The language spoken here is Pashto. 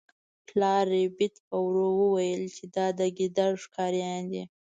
پلار ربیټ په ورو وویل چې دا د ګیدړ ښکاریان دي